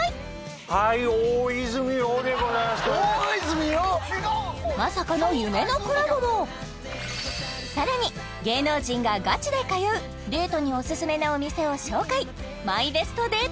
はい大泉洋でございますけどねまさかの夢のコラボもさらに芸能人がガチで通うデートにオススメなお店を紹介